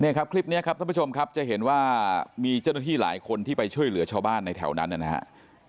ครับคลิปนี้ครับท่านผู้ชมครับจะเห็นว่ามีเจ้าหน้าที่หลายคนที่ไปช่วยเหลือชาวบ้านในแถวนั้นนะครับ